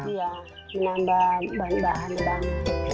iya menambah bahan bahan